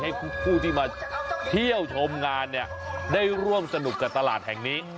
ให้ผู้ที่มาเที่ยวชมงานเนี่ยได้ร่วมสนุกกับตลาดแห่งนี้